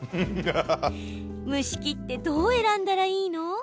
蒸し器ってどう選んだらいいの？